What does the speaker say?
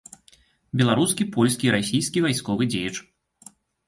Беларускі, польскі і расійскі вайсковы дзеяч.